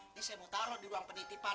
ini saya mau taruh di ruang penitipan